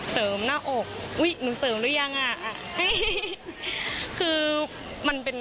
เสริมหน้าอกอุ๊ยหนูเสริมหรือยัง